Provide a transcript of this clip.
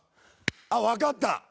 あっわかった！